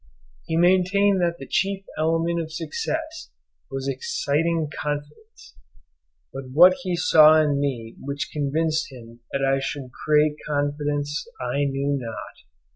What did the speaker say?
He maintained that the chief element of success was exciting confidence; but what he saw in me which convinced him that I should create confidence I know not.